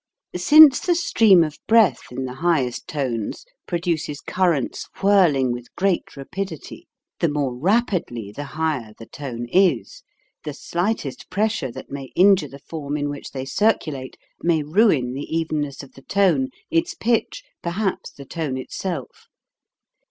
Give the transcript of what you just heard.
Since the stream of breath in the highest tones produces currents whirling with great rapidity, the more rapidly the higher the tone is, the slightest pressure that may injure the form in which they circulate may ruin the evenness of the tone, its pitch, perhaps the tone itself.